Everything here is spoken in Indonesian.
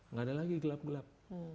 nggak ada lagi gelap gelap